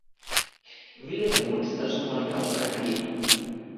Vilademuls es un bon lloc per anar-hi